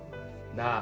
なあ。